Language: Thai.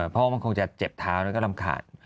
เพราะว่ามันคงจะเจ็บเท้าแล้วก็รำขาด